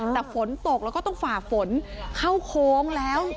แต่ฝนตกแล้วก็ต้องฝ่าฝนเข้าโค้งแล้ว